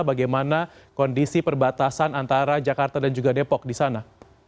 bagaimana kondisi perbatasan antara jakarta dan juga depok di sana